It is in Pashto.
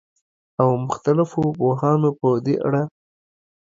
او مختلفو پوهانو په دې اړه